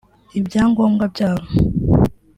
ibyangombwa byabo